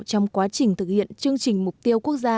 trong quá trình thực hiện chương trình mục tiêu quốc gia